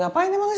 aku mau ke tandas